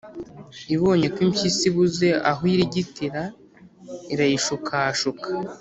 ibonye ko impyisi ibuze aho irigitira irayishukashuka